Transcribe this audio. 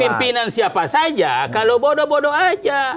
pimpinan siapa saja kalau bodoh bodoh aja